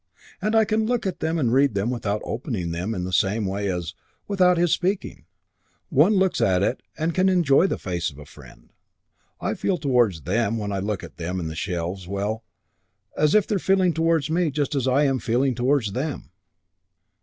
And I can look at them and read them without opening them in the same way as, without his speaking, one looks at and can enjoy the face of a friend. I feel towards them when I look at them in the shelves, well, as if they were feeling towards me just as I am feeling towards them."